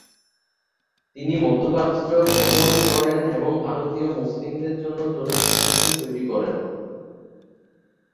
তিনি মধ্যপ্রাচ্য ভ্রমণ করেন এবং ভারতীয় মুসলিমদের জন্য সমর্থন তৈরী করেন।